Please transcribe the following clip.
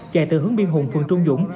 chạy từ hướng biên hùng phường trung dũng